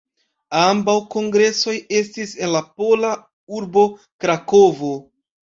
Ambaŭ kongresoj estis en la pola urbo Krakovo.